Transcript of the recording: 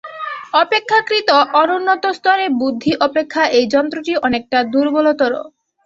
অপেক্ষাকৃত অনুন্নত স্তরে বুদ্ধি অপেক্ষা এই যন্ত্রটি অনেকটা দুর্বলতর।